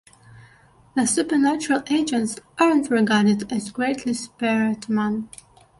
The supernatural agents are not regarded as greatly superior to man.